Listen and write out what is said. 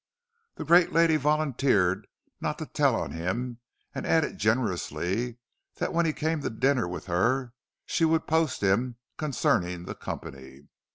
The great lady volunteered not to tell on him; and added generously that when he came to dinner with her she would post him concerning the company.